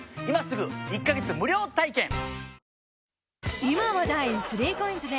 今すぐ１か月無料体験！